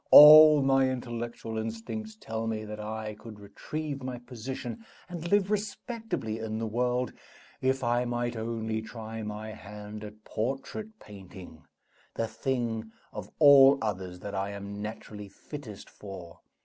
"All my intellectual instincts tell me that I could retrieve my position and live respectably in the world, if I might only try my hand at portrait painting the thing of all others that I am naturally fittest for.